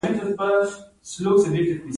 د کدو دانه د څه لپاره وکاروم؟